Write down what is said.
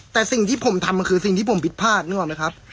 แต่สิ่งที่ผมทำมันคือสิ่งที่ผมผิดพลาดนึกออกไหมครับ